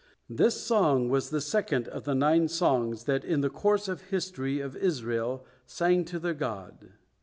This song was the second of the nine songs that in the course of history of Israel sang to their God.